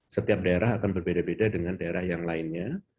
setiap daerah akan berbeda beda dengan daerah yang lainnya